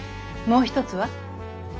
もう一つ？